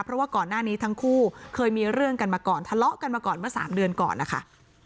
เพราะว่าก่อนหน้านี้ทั้งคู่เคยมีเรื่องกันมาก่อนทะเลาะกันมาก่อนเมื่อ๓เดือนก่อนนะคะ